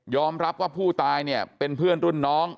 รับว่าผู้ตายเนี่ยเป็นเพื่อนรุ่นน้อง